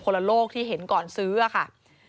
ละโลกที่เห็นก่อนซื้อค่ะ